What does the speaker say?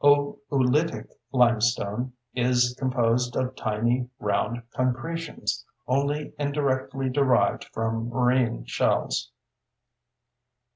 Oölitic limestone is composed of tiny round concretions, only indirectly derived from marine shells.